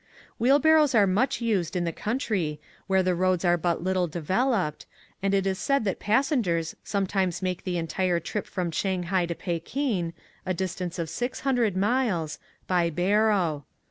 Wheelbarrows are much used in the country, where the, roads are but little developed, and it is said that passengers sometimes make the entire trip from Shang hai to Pekin, a distance of 600 miles, by barrow.